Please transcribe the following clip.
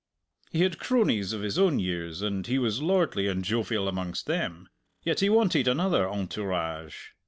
He had cronies of his own years, and he was lordly and jovial amongst them yet he wanted another entourage.